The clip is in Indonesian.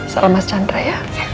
salam mas chandra ya